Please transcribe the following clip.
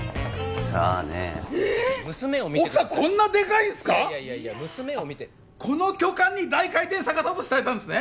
さあねえ奥さんこんなデカいんすかいやいや娘を見てこの巨漢に大回転逆さ落としされたんですね